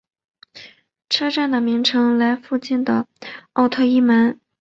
车站的名称来附近的奥特伊门。